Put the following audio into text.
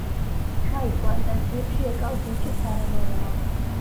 ჩაის პლანტაციებში ეკალღიჭი სარეველაა.